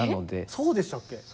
そうでしたっけ？